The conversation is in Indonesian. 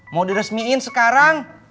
mau diresmiin sekarang